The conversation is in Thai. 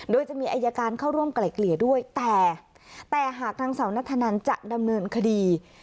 โดยจะมีอายการเข้าร่วมไกล่เกลี่ยด้วยแต่หากนางสาวนัทธนันจะดำเนินคดี